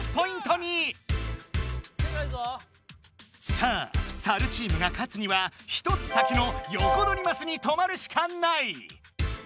さあサルチームが勝つには１つ先のよこどりマスに止まるしかない。